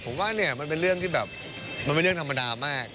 ผมว่าเนี่ยมันเป็นเรื่องที่แบบมันเป็นเรื่องธรรมดามาก